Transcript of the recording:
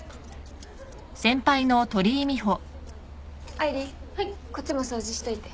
愛梨こっちも掃除しといて。